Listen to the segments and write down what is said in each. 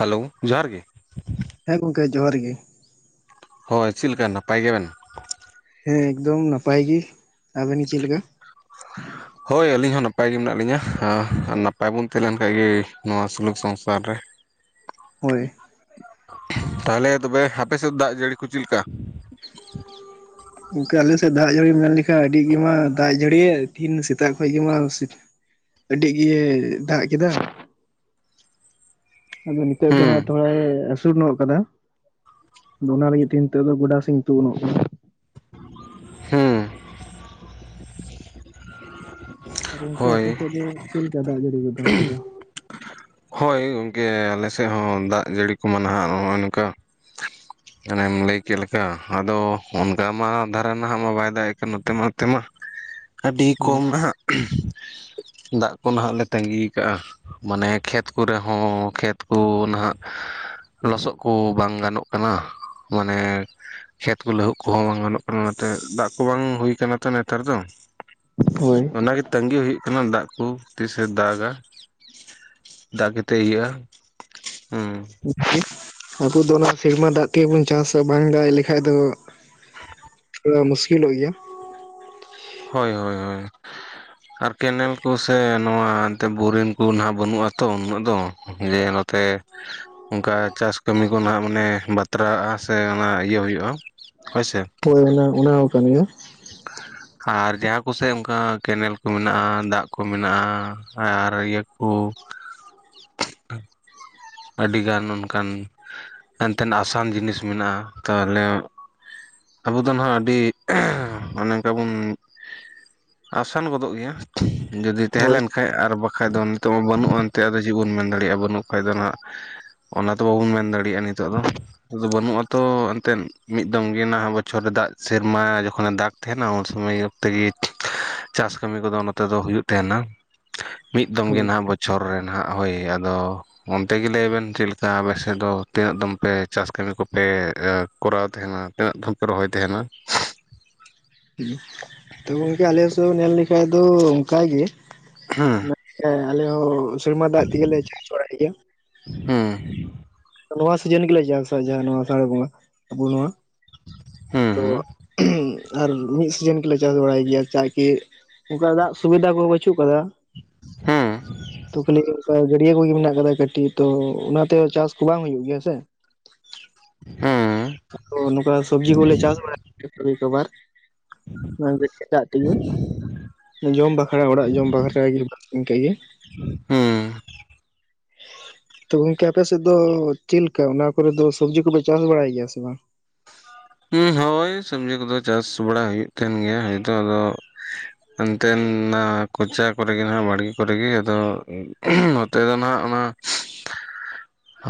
Hello ᱡᱚᱦᱟᱨ ᱜᱮ ᱦᱮᱸ ᱜᱚᱝᱠᱮ ᱡᱚᱦᱟᱨ ᱜᱮ ᱦᱳᱭ ᱪᱮᱫ ᱞᱮᱠᱟ ᱱᱟᱯᱟᱭ ᱜᱮᱵᱮᱱ ᱦᱮᱸ ᱮᱠᱫᱚᱢ ᱱᱟᱯᱟᱭ ᱜᱮᱤ ᱟᱵᱮᱱ ᱜᱮ ᱪᱮᱫ ᱞᱮᱠᱟ ᱦᱳᱭ ᱟᱹᱞᱤᱧ ᱦᱚᱸ ᱱᱟᱯᱟᱭ ᱜᱮ ᱢᱮᱱᱟᱜ ᱞᱤᱧᱟᱹ ᱱᱟᱯᱟᱭ ᱵᱚᱱ ᱛᱟᱦᱮᱸ ᱞᱮᱱ ᱠᱷᱟᱡ ᱜᱮ ᱱᱚᱣᱟ ᱥᱩᱞᱩᱠ ᱥᱚᱝᱥᱟᱨ ᱨᱮ ᱦᱳᱭ ᱛᱟᱦᱚᱞᱮ ᱛᱚᱵᱮ ᱟᱯᱮ ᱥᱮᱫ ᱫᱟᱜ ᱡᱟᱹᱲᱤ ᱠᱚ ᱪᱮᱫ ᱞᱮᱠᱟ ᱜᱚᱢᱠᱮ ᱟᱞᱮ ᱥᱮᱫ ᱫᱟᱜ ᱡᱟᱹᱲᱤᱢ ᱢᱮᱱ ᱞᱮᱠᱷᱟᱱ ᱟᱹᱰᱤ ᱜᱮᱢᱟ ᱫᱟᱜ ᱡᱟᱹᱲᱤ ᱛᱤᱦᱤᱧ ᱥᱮᱛᱟᱜ ᱠᱷᱚᱡ ᱜᱮᱢᱟ ᱟᱹᱰᱤ ᱜᱮ ᱫᱟᱜ ᱠᱮᱫᱟ ᱟᱫᱚ ᱱᱤᱛᱚᱜ ᱫᱚ ᱦᱟᱸᱜ ᱦᱩᱸ ᱛᱷᱚᱲᱟᱭ ᱟᱹᱥᱩᱨ ᱧᱚᱜ ᱠᱟᱫᱟ ᱟᱫᱚ ᱚᱱᱟ ᱞᱟᱹᱜᱤᱫ ᱛᱮ ᱱᱤᱛᱚᱜ ᱫᱚ ᱜᱚᱰᱟ ᱥᱤᱧ ᱛᱩᱜᱱᱚᱜ ᱠᱟᱱᱟ ᱦᱩᱸ ᱟᱨ ᱜᱚᱝᱠᱮ ᱟᱯᱮ ᱦᱳᱭ ᱥᱮᱫ ᱫᱚ ᱪᱮᱫ ᱞᱮᱠᱟ ᱫᱟᱜ ᱡᱟᱹᱲᱤ ᱜᱚᱫ ᱫᱚ ᱚᱱᱛᱮ ᱫᱚ ᱦᱳᱭ ᱜᱚᱢᱠᱮ ᱟᱞᱮ ᱥᱮᱫ ᱦᱚᱸ ᱫᱟᱜ ᱡᱟᱹᱲᱤ ᱠᱚᱢᱟ ᱱᱟᱦᱟᱜ ᱱᱚᱜᱼᱚᱭ ᱱᱚᱝᱠᱟ ᱦᱟᱱᱮᱢ ᱞᱟᱹᱭ ᱠᱮᱫ ᱞᱮᱠᱟ ᱟᱫᱚ ᱚᱱᱠᱟ ᱢᱟ ᱫᱷᱟᱨᱟ ᱱᱟᱦᱟᱜ ᱢᱟ ᱵᱟᱭ ᱫᱟᱲᱮᱜ ᱠᱟᱱ ᱱᱚᱛᱮ ᱢᱟ ᱱᱚᱛᱮ ᱢᱟ [inaudible] ᱟᱹᱰᱤ ᱠᱚᱢ ᱱᱟᱦᱟᱜ ᱫᱟᱜ ᱠᱚ ᱱᱟᱦᱟᱜ ᱞᱮ ᱛᱺᱜᱤ ᱠᱟᱜᱼᱟ ᱢᱟᱱᱮ ᱠᱷᱮᱛ ᱠᱚᱨᱮᱦᱚᱸ ᱠᱷᱮᱛ ᱠᱚ ᱱᱟᱦᱟᱜ ᱞᱚᱥᱚᱫ ᱠᱚ ᱵᱟᱝ ᱜᱟᱱᱚᱜ ᱠᱟᱱᱟ ᱢᱟᱱᱮ ᱠᱷᱮᱛ ᱠᱚ ᱞᱟᱹᱦᱩᱫ ᱠᱚᱦᱚᱸ ᱵᱟᱝ ᱜᱟᱱᱚᱜ ᱠᱟᱱᱟ ᱚᱱᱟᱛᱮ ᱫᱟᱜ ᱠᱚ ᱵᱟᱝ ᱦᱩᱭ ᱠᱟᱱᱟ ᱛᱚ ᱱᱮᱛᱟᱨ ᱫᱚ ᱦᱳᱭ ᱚᱱᱟᱜᱮ ᱛᱟᱸᱜᱤ ᱦᱩᱭᱩᱜ ᱠᱟᱱᱟ ᱫᱟᱜ ᱠᱚ ᱛᱤᱥᱮ ᱫᱟᱜᱟ ᱫᱟᱜ ᱠᱟᱛᱮ ᱤᱭᱟᱹᱜᱼᱟ ᱟᱵᱚ ᱫᱚ ᱚᱱᱟ ᱥᱮᱨᱢᱟ ᱫᱟᱜ ᱛᱮᱜᱮ ᱵᱚᱱ ᱪᱟᱥᱟ ᱵᱟᱝ ᱫᱟᱜ ᱞᱮᱠᱷᱟᱡ ᱫᱚ ᱢᱩᱥᱠᱤᱞ ᱞᱚᱜ ᱜᱮᱭᱟ ᱦᱳᱭ ᱦᱳᱭ ᱦᱳᱭ ᱟᱨ ᱠᱮᱱᱮᱞ ᱠᱚ ᱥᱮ ᱱᱚᱣᱟ ᱮᱱᱛᱮ ᱵᱳᱨᱤᱝ ᱠᱚ ᱱᱟᱦᱟᱜ ᱵᱟᱹᱱᱩᱜᱼᱟᱛᱚ ᱩᱱᱟᱹᱜ ᱫᱚ ᱡᱮ ᱱᱚᱛᱮ ᱚᱱᱠᱟ ᱪᱟᱥ ᱠᱟᱹᱢᱤ ᱠᱚ ᱱᱟᱦᱟᱜ ᱢᱟᱱᱮ ᱵᱟᱛᱨᱟᱜᱼᱟ ᱥᱮ ᱚᱱᱟ ᱤᱭᱟᱹ ᱦᱩᱭᱩᱜᱼᱟ ᱦᱳᱭ ᱥᱮ ᱦᱳᱭ ᱚᱱᱟ ᱚᱱᱟ ᱦᱚᱸ ᱠᱟᱱ ᱜᱮᱭᱟ ᱟᱨ ᱡᱟᱦᱟᱸ ᱠᱚᱥᱮᱫ ᱚᱱᱠᱟ ᱠᱮᱱᱮᱞ ᱠᱚ ᱢᱮᱱᱟᱜᱼᱟ ᱫᱟᱜ ᱠᱚ ᱢᱮᱱᱟᱜᱼᱟ ᱟᱨ ᱤᱭᱟᱹ ᱠᱚ ᱟᱹᱰᱤᱜᱟᱱ ᱚᱱᱠᱟᱱ ᱮᱱᱛᱮᱱ ᱟᱥᱟᱱ ᱡᱤᱱᱤᱥ ᱢᱮᱱᱟᱜᱼᱟ ᱛᱟᱦᱚᱞᱮ ᱟᱵᱚ ᱫᱚ ᱦᱟᱸᱜ ᱟᱹᱰᱤ ᱚᱱᱮ ᱚᱱᱠᱟ ᱵᱚᱱ ᱟᱥᱟᱱ ᱜᱚᱫᱚᱜ ᱜᱮᱭᱟ ᱡᱩᱚᱫᱤ ᱛᱟᱦᱮᱸ ᱦᱳᱭ ᱞᱮᱱ ᱠᱷᱟᱡ ᱟᱨ ᱵᱟᱠᱟᱱᱡ ᱫᱚ ᱱᱤᱛᱚᱜ ᱢᱟ ᱵᱟᱹᱱᱩᱜᱼᱟ ᱮᱱᱛᱮᱫ ᱟᱫᱚ ᱪᱮᱫ ᱵᱚᱱ ᱢᱮᱱ ᱫᱟᱲᱮᱭᱟᱜᱼᱟ ᱵᱟᱹᱱᱩᱜ ᱠᱷᱟᱡ ᱫᱚᱱᱟᱜ ᱚᱱᱟ ᱛᱚ ᱵᱟᱵᱚᱱ ᱢᱮᱱ ᱫᱟᱲᱮᱭᱟᱜᱼᱟ ᱱᱤᱛᱳᱜ ᱫᱚ ᱟᱫᱚ ᱵᱟᱹᱱᱩᱜ ᱟᱛᱚ ᱮᱱᱛᱮᱫ ᱢᱤᱫ ᱫᱚᱢ ᱜᱮ ᱱᱟᱦᱟᱜ ᱵᱚᱪᱷᱚᱨ ᱨᱮ ᱫᱟᱜ ᱥᱮᱨᱢᱟ ᱡᱚᱠᱷᱚᱱᱮ ᱫᱟᱜᱽ ᱛᱟᱦᱮᱱᱟ ᱩᱱ ᱥᱚᱢᱚᱭ ᱜᱮ ᱛᱮᱜᱮ ᱪᱟᱥ ᱠᱟᱹᱢᱤ ᱠᱚᱫᱚ ᱱᱚᱛᱮ ᱫᱚ ᱦᱩᱭᱩᱜ ᱛᱟᱦᱮᱱᱟ᱾ ᱢᱤᱫ ᱫᱚᱢ ᱜᱮ ᱦᱳᱭ ᱱᱟᱦᱟᱜ ᱵᱚᱪᱷᱚᱨ ᱨᱮ ᱱᱟᱦᱟᱜ ᱦᱳᱭ ᱟᱫᱚ ᱛᱮᱜᱮ ᱞᱟᱹᱭᱵᱤᱱ ᱪᱮᱫ ᱞᱮᱠᱟ ᱟᱯᱮᱥᱮᱫ ᱫᱚ ᱛᱤᱱᱟᱹᱜ ᱫᱚᱢ ᱯᱮ ᱪᱟᱥ ᱠᱟᱹᱢᱤ ᱠᱚᱯᱮ ᱠᱚᱨᱟᱣ ᱛᱟᱦᱮᱱᱟ ᱛᱤᱱᱟᱹᱜ ᱫᱚ ᱨᱚᱦᱚᱭ ᱛᱟᱦᱮᱱᱟ ᱛᱚ ᱜᱚᱝᱠᱮ ᱟᱞᱮᱥᱮᱫ ᱧᱮᱞ ᱞᱮᱠᱷᱟᱡ ᱫᱚ ᱚᱱᱠᱟ ᱜᱮ ᱦᱮᱸ ᱦᱮᱸ ᱟᱞᱮ ᱦᱚᱸ ᱥᱮᱨᱢᱟ ᱫᱟᱜ ᱛᱮᱜᱮᱞᱮ ᱪᱟᱥ ᱵᱟᱲᱟᱭ ᱜᱮᱭᱟ ᱦᱩᱸ ᱱᱚᱣᱟ ᱥᱤᱡᱤᱱ ᱜᱮᱞᱮ [unintelligible] ᱱᱚᱣᱟ ᱟᱥᱟᱲ ᱵᱚᱸᱜᱟ ᱟᱵᱚ ᱱᱚᱣᱟ ᱦᱩᱸ ᱛᱚ ᱦᱩᱸ ᱟᱨ ᱢᱤᱫ ᱥᱤᱡᱮᱱ ᱜᱮᱞᱮ ᱪᱟᱥ ᱵᱟᱲᱟᱭ ᱜᱮᱭᱟ ᱪᱟᱜ ᱠᱤ ᱚᱱᱠᱟ ᱫᱟᱜ ᱥᱩᱵᱤᱫᱷᱟ ᱠᱚᱦᱚᱸ ᱵᱟᱹᱪᱩᱜ ᱟᱠᱟᱫᱟ ᱦᱮᱸ ᱛᱚ ᱠᱷᱟᱞᱤ ᱚᱱᱠᱟ ᱜᱟᱹᱰᱭᱟᱹ ᱠᱚᱜᱮ ᱢᱮᱱᱟᱜ ᱠᱟᱫᱟ ᱠᱟᱹᱴᱤᱡ ᱛᱚ ᱚᱱᱟᱛᱮᱦᱚᱸ ᱪᱟᱥ ᱵᱟᱝ ᱦᱩᱭᱩᱜ ᱜᱮᱭᱟ ᱥᱮ ᱦᱮᱸ [unintelligible] ᱱᱚᱝᱠᱟ ᱥᱚᱵᱽᱡᱤ ᱠᱚᱞᱮ ᱪᱟᱥ ᱵᱟᱲᱟᱭ [inaudible] ᱛᱮᱜᱮ ᱡᱚᱢ ᱵᱟᱠᱷᱨᱟ ᱚᱲᱟᱜ ᱡᱚᱢ ᱵᱟᱠᱷᱨᱟ [inaudible] ᱜᱮ ᱦᱮᱸ ᱛᱚ ᱜᱚᱝᱠᱮ ᱟᱯᱮ ᱥᱮᱫ ᱫᱚ ᱪᱮᱫᱞᱮᱠᱟ ᱚᱱᱟ ᱠᱚᱨᱮ ᱫᱚ ᱥᱚᱵᱡᱤ ᱠᱚᱯᱮ ᱪᱟᱥ ᱵᱟᱲᱟᱭ ᱜᱮᱭᱟ ᱥᱮ ᱵᱟᱝ ᱦᱚᱸ, ᱦᱳᱭ ᱥᱚᱵᱡᱤ ᱠᱚᱫᱚ ᱪᱟᱥ ᱵᱟᱲᱟ ᱦᱩᱭᱩᱜ ᱠᱟᱱ ᱜᱮᱭᱟ ᱦᱚᱭᱛᱳ ᱟᱫᱚ ᱾ ᱮᱱᱛᱮᱱ-ᱱᱟ ᱠᱚᱪᱟ ᱠᱚᱨᱮᱜᱮ ᱱᱟᱦᱟᱜ ᱵᱟᱲᱜᱮ ᱠᱚᱨᱮᱜᱮ ᱟᱫᱚ ᱱᱚᱛᱮ ᱫᱚ ᱱᱟᱜ ᱚᱱᱟ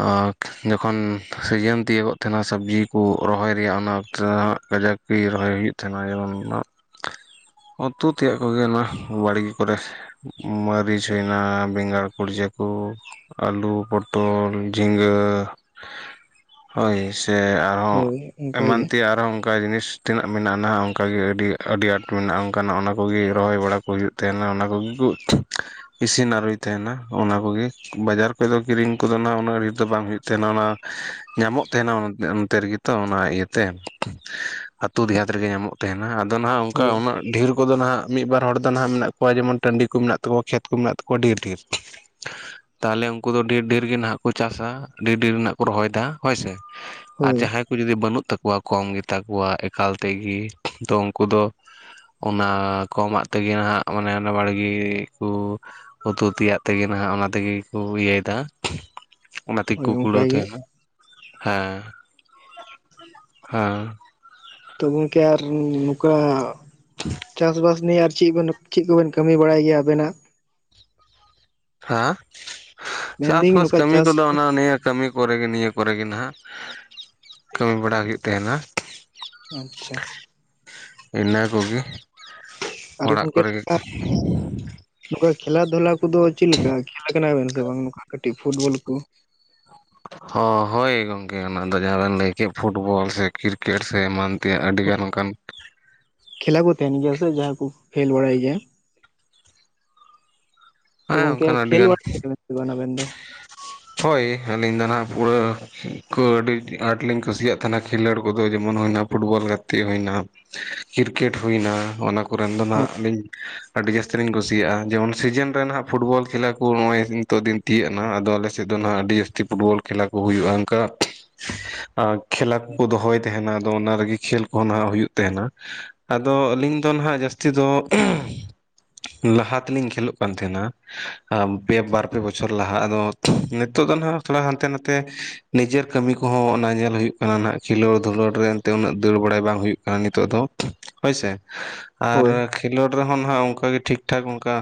ᱟᱨ ᱡᱚᱠᱷᱚᱱ ᱥᱤᱡᱤᱱ ᱛᱤᱭᱳᱜᱚᱜ ᱛᱟᱦᱮᱱᱟ ᱥᱚᱵᱽᱡᱤ ᱠᱚ ᱨᱚᱦᱚᱭ ᱨᱮᱭᱟᱜ ᱚᱱᱟ ᱚᱠᱛᱮ ᱫᱚ ᱱᱟᱜ ᱠᱟᱡᱟᱠ ᱠᱤ ᱨᱚᱦᱚᱭ ᱦᱩᱭᱩᱜ ᱛᱟᱦᱮᱱᱟ? ᱡᱮᱢᱚᱱ-ᱱᱟᱜ [inaudible] ᱤᱸ-ᱠᱤᱸᱜ ᱾ ᱦᱚᱸ ᱛᱩᱫ ᱛᱮᱭᱟᱜ ᱠᱚᱜᱮ ᱱᱚᱣᱟ ᱵᱟᱲᱜᱮ ᱠᱚᱨᱮ, ᱢᱟᱹᱨᱤᱪ ᱦᱩᱭᱮᱱᱟ, ᱵᱮᱸᱜᱟᱲ ᱠᱩᱲᱡᱟᱹ ᱠᱚ, ᱟᱹᱞᱩ, ᱯᱚᱴᱚᱞ, ᱡᱤᱸᱜᱟᱹ ᱦᱳᱭ ᱥᱮ ᱟᱨᱦᱚᱸ ᱦᱳᱭ ᱚᱱᱠᱟ ᱮᱢᱟᱱ ᱜᱮ ᱛᱮᱭᱟᱜ ᱟᱨᱦᱚᱸ ᱚᱸ- ᱠᱟ ᱡᱤᱱᱤᱥ ᱛᱤᱱᱟᱹᱜ ᱢᱮᱱᱟᱜ ᱱᱟᱦᱟᱜ ᱚᱸᱠᱟᱜᱮ ᱟᱹᱰᱤ, ᱟᱹᱰᱤ ᱟᱸᱴ ᱢᱮᱱᱟᱜᱼᱟ, ᱚᱸᱠᱟᱱᱟᱜ ᱚᱱᱟ ᱠᱚᱜᱮ ᱨᱚᱦᱚᱭ ᱵᱟᱲᱟ ᱠᱚ ᱦᱩᱭᱩᱜ, ᱛᱟᱦᱮᱸᱱᱟ ᱚᱱᱟ ᱠᱚᱜᱮ ᱠᱩᱜ [unintelligible] ᱤᱥᱤᱱ ᱟᱨᱩᱭ ᱛᱟᱦᱮᱸᱱᱟ ᱚᱱᱟ ᱠᱚᱜᱮ, ᱵᱟᱡᱟᱨ ᱯᱮᱫᱚ ᱠᱤᱨᱤᱧ ᱠᱚᱫᱚ ᱱᱟᱜ ᱩᱱᱟᱹ- ᱚᱱᱟ ᱨᱮᱜᱮ ᱛᱚ ᱵᱟᱝ ᱦᱩᱭᱩᱜ ᱛᱟᱦᱮᱸᱱᱟ ᱚᱱᱟ, ᱧᱟᱢᱚᱜ ᱛᱟᱦᱮᱸᱱᱟ ᱚᱱ ᱚᱱᱛᱮ, ᱚᱸᱛᱮ ᱨᱮᱜᱮ ᱛᱚ ᱚᱱᱟ ᱤᱭᱟᱹᱛᱮ, ᱟᱹᱛᱩ ᱫᱮᱦᱟᱛ ᱨᱮᱜᱮ ᱧᱟᱢᱚᱜ ᱛᱮᱦᱮᱱᱟ, ᱟᱫᱚ ᱱᱟᱦᱟᱜ ᱚᱸᱠᱟ ᱦᱳᱭ ᱩᱱᱟᱹᱜ ᱰᱷᱮᱨ ᱩᱸᱠᱚ ᱫᱚ ᱱᱟᱦᱟᱜ ᱢᱤᱫ ᱵᱟᱨ ᱦᱚᱲ ᱫᱚ ᱱᱟᱜ ᱢᱮᱱᱟᱜ ᱠᱚᱣᱟ ᱡᱮᱢᱚᱱ ᱴᱟᱺᱰᱤ ᱠᱩ ᱢᱮᱱᱟᱜ ᱛᱟᱠᱩᱣᱟᱹ ᱠᱷᱮᱛ ᱠᱚ ᱢᱮᱱᱟᱜ ᱛᱟᱠᱚᱣᱟ ᱰᱷᱮᱨ ᱰᱷᱮᱨ᱾ ᱛᱟᱦᱮᱞᱮ ᱩᱸᱠᱩ ᱫᱚ ᱰᱷᱮᱨ ᱰᱷᱮᱨ ᱜᱮ ᱱᱟᱜ ᱠᱚ ᱪᱟᱥᱟ, ᱰᱷᱮᱨ ᱰᱷᱮᱨ ᱨᱮᱱᱟᱜ ᱠᱚ ᱨᱚᱦᱚᱭ ᱮᱫᱟ ᱦᱳᱭ ᱥᱮ, ᱟᱨ ᱦᱳᱭ ᱡᱟᱦᱟᱸᱭ ᱠᱚ ᱡᱩᱫᱤ ᱵᱟᱹᱱᱩᱜ ᱛᱟᱠᱚᱣᱟ ᱠᱚᱢ ᱜᱮ ᱛᱟᱠᱚᱣᱟ ᱮᱠᱟᱞ ᱛᱮᱜᱮ, ᱫᱚ ᱩᱸᱠᱩ ᱫᱚ ᱚᱱᱟ ᱠᱚᱢᱟᱜ ᱛᱮᱜᱮ ᱦᱟᱸᱜ ᱢᱟᱱᱮ ᱚᱱᱟ ᱵᱟᱲᱜᱮ ᱠᱚ, ᱩᱛᱩ ᱛᱮᱭᱟᱜ ᱛᱮᱜᱮ ᱱᱟᱦᱟᱜ ᱚᱱᱟ ᱛᱮᱜᱮ ᱠᱚ ᱤᱭᱟᱹᱭᱮᱫᱟ, ᱚᱱᱟ ᱛᱮᱜᱮ ᱦᱳᱭ ᱠᱚ ᱠᱩᱲᱟᱹᱣ ᱚᱱᱠᱟᱜᱮ ᱛᱟᱦᱮᱸᱱᱟ, ᱦᱮᱸᱻ ᱦᱮᱸ᱾ ᱛᱚ ᱜᱚᱝᱠᱮ ᱟᱨ ᱻᱱᱚᱠᱟ ᱪᱟᱥᱵᱟᱥ ᱱᱤᱭᱮ ᱟᱨ ᱪᱮᱫ ᱵᱤᱱ ᱪᱮᱫ ᱠᱚᱵᱮᱱ ᱠᱟᱹᱢᱤ ᱵᱟᱲᱟᱭ ᱜᱮᱭᱟ ᱟᱵᱮᱱᱟᱜ? ᱦᱟᱸ, ᱢᱮᱱᱫᱟᱹᱧ ᱪᱟᱥᱵᱟᱥ ᱱᱚᱝᱠᱟ ᱠᱟᱹᱢᱤ ᱪᱟᱥ ᱠᱚᱫᱚ ᱚᱱᱟ ᱱᱤᱭᱟᱹ ᱠᱟᱹᱢᱤ ᱠᱚᱨᱮ ᱜᱮ ᱱᱤᱭᱟᱹ ᱠᱚᱨᱮ ᱜᱮ ᱱᱟᱦᱟᱜ ᱠᱟᱹᱢᱤ ᱵᱟᱲᱟ ᱦᱩᱭᱩᱜ ᱛᱟᱦᱮᱸᱱᱟ, ᱟᱪᱻᱪᱷᱟ, ᱤᱱᱟᱹ ᱠᱚᱜᱮ ᱟᱨ ᱚᱲᱟᱜ ᱠᱚᱨᱮ ᱜᱮ [unintelligible] ᱱᱚᱠᱟ ᱠᱷᱮᱞᱟ ᱫᱷᱚᱞᱟ ᱠᱚᱫᱚ ᱪᱮᱫ ᱞᱮᱠᱟ ᱠᱷᱮᱞ ᱟᱠᱟᱱᱟ ᱵᱮᱱ ᱥᱮ ᱵᱟᱝ ᱱᱚᱠᱟ ᱠᱟᱹᱴᱤᱡ ᱯᱷᱩᱴᱵᱚᱞ ᱠᱩ? ᱦᱚᱸ! ᱦᱳᱭ ᱜᱮ ᱜᱚᱢᱠᱮ ᱚᱱᱟᱫᱚ ᱡᱟᱦᱟᱸ ᱵᱮᱱ ᱞᱟᱹᱭ ᱠᱮᱫ ᱯᱷᱩᱴᱵᱚᱞ ᱥᱮ ᱠᱤᱨᱤᱠᱮᱴ ᱥᱮ ᱮᱢᱟᱱ ᱜᱮ ᱟᱹᱰᱤᱜᱟᱱ ᱚᱱᱠᱟᱱ ᱠᱷᱮᱞᱟ ᱠᱚ ᱛᱟᱦᱮᱱ ᱜᱮᱭᱟ ᱥᱮ ᱡᱟᱦᱟᱸᱭ ᱠᱩ ᱠᱷᱮᱞ ᱵᱟᱲᱟᱭ ᱜᱮᱭᱟ ᱾ ᱛᱚ ᱦᱮᱸ ᱜᱚᱝᱠᱮ ᱚᱱᱠᱟᱱ ᱠᱷᱮᱞ ᱟᱹᱰᱤᱜᱟᱱ ᱵᱟᱲ [unintelligible] ᱟᱵᱮᱱ ᱫᱚ? ᱦᱳᱭ ᱟᱹᱞᱤᱧ ᱫᱚ ᱦᱟᱸᱜ ᱯᱩᱨᱟᱹ ᱠᱚ ᱟᱹᱰᱤ ᱟᱸᱴᱞᱤᱧ ᱠᱩᱥᱤᱭᱟᱜ ᱛᱟᱦᱮᱱᱟ ᱠᱷᱮᱞᱳᱰ ᱠᱚᱫᱚ ᱡᱮᱢᱚᱱ ᱦᱩᱭᱱᱟ ᱯᱷᱩᱴᱵᱚᱞ ᱜᱟᱛᱮᱜ ᱦᱩᱭᱱᱟ ᱠᱨᱤᱠᱮᱴ ᱦᱩᱭᱱᱟ ᱚᱱᱟ ᱠᱚᱨᱮᱱ ᱫᱚ ᱱᱟᱜ ᱟᱹᱰᱤ ᱡᱟᱹᱥᱛᱤ ᱞᱤᱧ ᱠᱩᱥᱤᱭᱟᱜᱼᱟ ᱡᱮᱢᱚᱱ ᱥᱤᱡᱮᱱ ᱨᱮᱦ ᱯᱷᱩᱴᱵᱚᱞ ᱠᱷᱮᱞᱟ ᱠᱚ ᱱᱚᱜᱼᱚᱭ ᱱᱤᱛᱚᱜ ᱫᱤᱱ ᱛᱤᱭᱟᱹᱜᱱᱟ ᱟᱞᱮᱥᱮᱫ ᱫᱚ ᱱᱟᱦᱟᱜ ᱟᱹᱰᱤ ᱡᱟᱹᱥᱛᱤ ᱯᱷᱩᱴᱵᱚᱞ ᱠᱷᱮᱞᱟ ᱠᱚ ᱦᱩᱭᱩᱜᱼᱟ ᱚᱱᱠᱟ ᱠᱷᱮᱞᱟ ᱠᱚᱠᱚ ᱫᱚᱦᱚᱭ ᱛᱟᱦᱮᱱᱟ ᱟᱫᱚ ᱚᱱᱟ ᱨᱮᱜᱮ ᱠᱷᱮᱞ ᱠᱚᱦᱚᱸ ᱱᱟᱜ ᱦᱩᱭᱩᱜ ᱛᱟᱦᱮᱱᱟ ᱟᱫᱚ ᱟᱹᱞᱤᱧ ᱫᱚ ᱱᱟᱦᱟᱜ ᱡᱟᱹᱥᱛᱤ ᱫᱚ, [inaudible] ᱞᱟᱦᱟ ᱛᱮᱞᱤᱧ ᱠᱷᱮᱞᱳᱜ ᱠᱟᱱ ᱛᱟᱦᱮᱸᱱᱟ, ᱟᱻᱯᱮ ᱵᱟᱨ ᱯᱮ ᱵᱚᱪᱷᱚᱨ ᱞᱟᱦᱟ ᱟᱫᱚ ᱱᱤᱛᱚᱜ ᱫᱚ ᱱᱟᱸᱜ ᱛᱷᱚᱲᱟ ᱦᱟᱱᱛᱮ ᱱᱟᱛᱮ ᱱᱤᱡᱟᱨ ᱠᱟᱹᱢᱤ ᱠᱚᱦᱚᱸ ᱚᱱᱟ ᱧᱮᱞ ᱦᱩᱭᱩᱜ ᱠᱟᱱᱟ ᱱᱟᱜ ᱠᱷᱤᱞᱟᱹᱣ ᱫᱷᱩᱞᱚᱲ ᱨᱮ ᱮᱱᱛᱮ ᱩᱱᱟᱹᱜ ᱫᱟᱹᱲ ᱵᱟᱲᱟᱭ ᱵᱟᱝ ᱦᱩᱭᱩᱜ ᱠᱟᱱᱟ ᱱᱤᱛᱚᱜ ᱫᱚ᱾ ᱦᱳᱭ ᱥᱮ ᱟᱨ ᱦᱳᱭ ᱠᱷᱮᱞᱳᱰ ᱨᱮᱦᱚᱸ ᱱᱟᱸᱜ ᱚᱸᱠᱟ ᱜᱮ ᱴᱷᱤᱠ ᱴᱷᱟᱠ ᱚᱱᱠᱟ